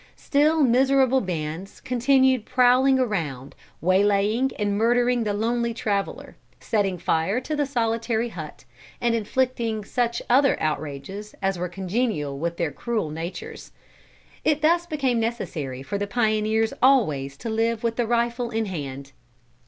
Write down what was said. Still miserable bands continued prowling around, waylaying and murdering the lonely traveler, setting fire to the solitary hut and inflicting such other outrages as were congenial with their cruel natures. It thus became necessary for the pioneers always to live with the rifle in hand.